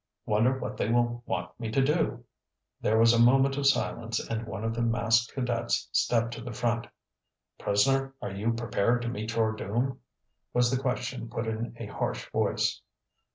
Wonder what they will want me to do?" There was a moment of silence and one of the masked cadets stepped to the front. "Prisoner, are you prepared to meet your doom?" was the question put in a harsh voice.